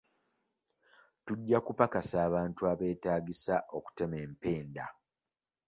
Tujja kupakasa abantu abeetaagisa okutema empenda